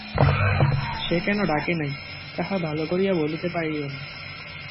সে কেন ডাকে নাই, তাহা ভালো করিয়া বলিতে পারিল না।